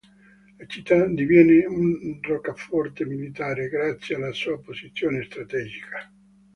La città diviene una roccaforte militare, grazie alla sua posizione strategica.